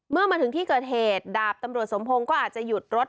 เมื่อมาถึงที่เกิดเหตุดาบตำรวจสมพงศ์ก็อาจจะหยุดรถ